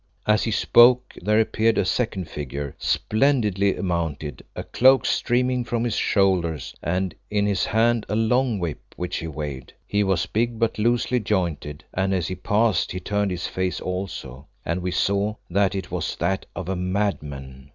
As he spoke there appeared a second figure, splendidly mounted, a cloak streaming from his shoulders, and in his hand a long whip, which he waved. He was big but loosely jointed, and as he passed he turned his face also, and we saw that it was that of a madman.